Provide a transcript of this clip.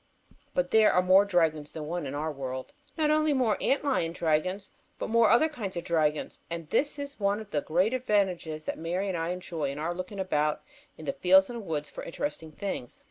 But there are more dragons than one in our world. Not only more ant lion dragons, but more other kinds of dragons. And this is one of the great advantages that Mary and I enjoy in our looking about in the fields and woods for interesting things.